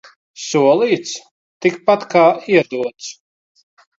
Solīts – tikpat kā iedots.